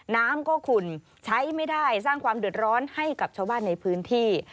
น้ำก็ขุ่นใช้ไม่ได้สร้างความเดือดร้อนให้กับชาวบ้านในพื้นที่